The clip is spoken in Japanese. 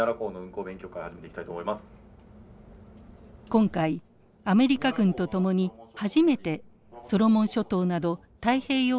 今回アメリカ軍と共に初めてソロモン諸島など太平洋